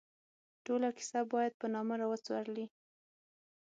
ټوله کیسه باید پر نامه را وڅورلي.